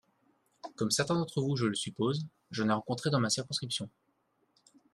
Comme certains d’entre vous je le suppose, j’en ai rencontré dans ma circonscription.